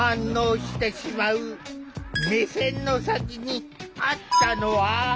目線の先にあったのは？